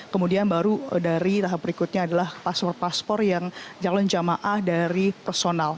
kemudian baru dari tahap berikutnya adalah paspor paspor yang calon jamaah dari personal